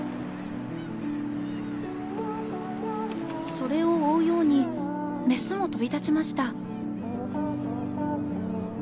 それを追うようにメスも飛び立ちました。